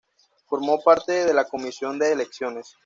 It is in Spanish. Formó parte de la Comisión de Elecciones.